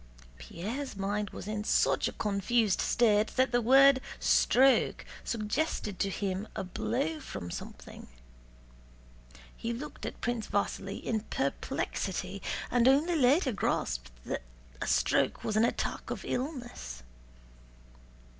Pierre's mind was in such a confused state that the word "stroke" suggested to him a blow from something. He looked at Prince Vasíli in perplexity, and only later grasped that a stroke was an attack of illness.